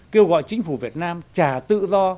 kêu gọi chính phủ việt nam trả tự do